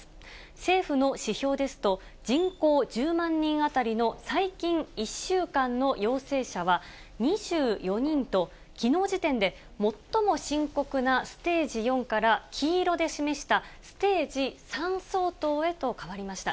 政府の指標ですと、人口１０万人当たりの最近１週間の陽性者は２４人と、きのう時点で最も深刻なステージ４から、黄色で示したステージ３相当へと変わりました。